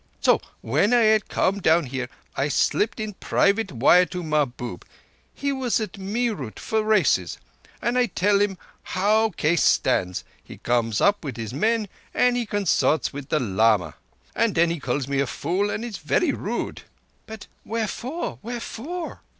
So when I had come down here I slipped in private wire to Mahbub—he was at Meerut for races—and I tell him how case stands. He comes up with his men and he consorts with the lama, and then he calls me a fool, and is very rude—" "But wherefore—wherefore?"